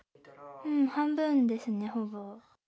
半分ですね、ほぼ。